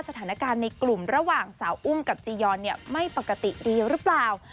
ในกลุ่มระหว่างสาวอุ้มกับจียอนไม่ปกติดีหรือเปล่า